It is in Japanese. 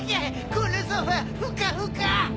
このソファふかふか！